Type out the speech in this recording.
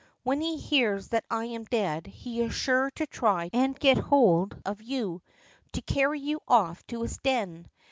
When he hears that I am dead he is sure to try and get hold of you, to carry you off to his den.